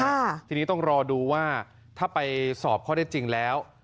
ทีนี้ต้องรอดูว่าถ้าไปสอบข้อได้จริงแล้ว